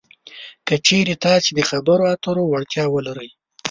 که چېرې تاسې د خبرو اترو وړتیا ولرئ